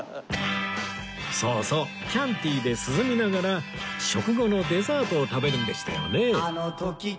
そうそうキャンティで涼みながら食後のデザートを食べるんでしたよね